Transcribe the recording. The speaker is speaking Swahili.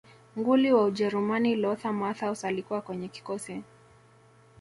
nguli wa ujerumani lothar matthaus alikuwa kwenye kikosi